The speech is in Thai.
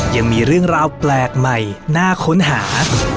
ยังมีเรื่องราวแปลกใหม่น่าค้นหา